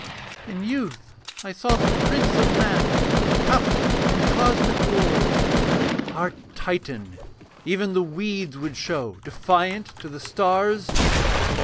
In youth I sought the prince of men, Captain in cosmic wars, Our Titan, even the weeds would show Defiant, to the stars.